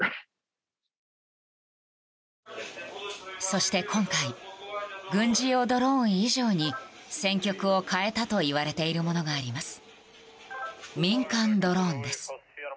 そして、今回軍事用ドローン以上に戦局を変えたといわれているものがあります。